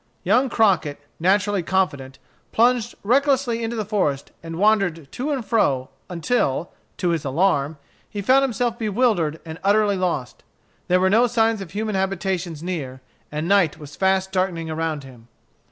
Young Crockett, naturally confident, plunged recklessly into the forest, and wandered to and fro until, to his alarm, he found himself bewildered and utterly lost. There were no signs of human habitations near, and night was fast darkening around him.